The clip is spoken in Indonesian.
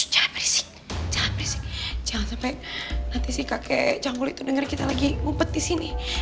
jangan berisik jangan berisik jangan sampai nanti kakek canggul itu denger kita lagi ngumpet di sini